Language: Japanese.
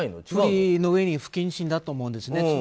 不利のうえに不謹慎だと思うんですね。